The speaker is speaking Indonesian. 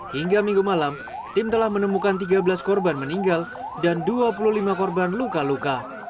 hingga minggu malam tim telah menemukan tiga belas korban meninggal dan dua puluh lima korban luka luka